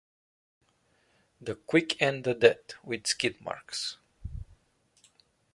"The Quick and the Dead" with skid marks.